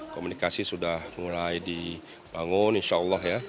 komunikasi sudah mulai dibangun insya allah ya